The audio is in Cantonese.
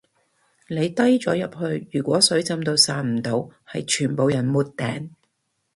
你低咗入去如果水浸到散唔到係全部人沒頂